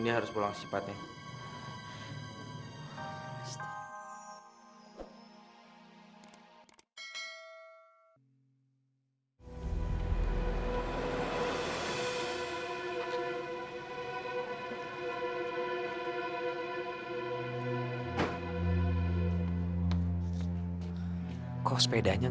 iya ini dia dokternya